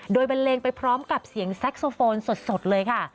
โดยบันเลงไปพร้อมกับเสียงแซ็กโซโฟนสดเลยค่ะ